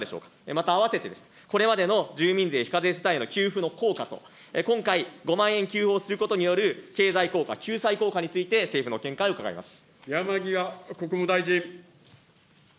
また併せて、これまでの住民税非課税世帯への給付の効果と、今回、５万円給付をすることによる経済効果、救済効果について、政府のご見解を伺います。